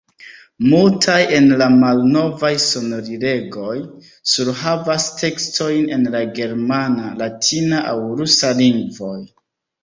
Multaj el la malnovaj sonorilegoj surhavas tekstojn en la germana, latina aŭ rusa lingvoj.